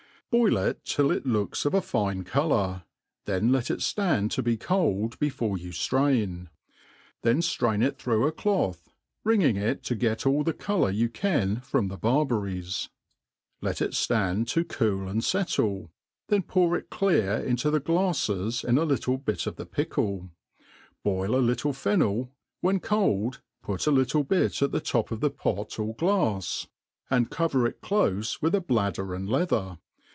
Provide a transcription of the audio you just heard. Boil it till it looks .of a fine co« Jour, then let it ft/ind to be cold before ycu drain ; then flrain it through a cloth, wringing it to get ail the colour you can from the barberries. Let it ftand to cool and fct'Jr, then pour it clear into the glaiTes in a little of the pickle ^ boil a little fen * .nel I when cold, put a little bit at the top of ttie pot or glafs, T 2 and 276 THE ART OF COOKERY and cover it clofe with a bladder and leather.